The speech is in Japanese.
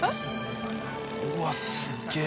うわっすげえ！